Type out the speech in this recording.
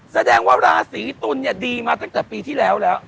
แสดงว่าราศีตุลเนี่ยดีมาตั้งแต่ปีที่แล้วแล้ว